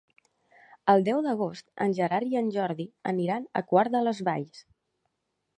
El deu d'agost en Gerard i en Jordi aniran a Quart de les Valls.